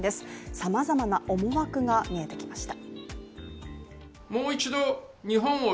さまざまな思惑が見えてきました。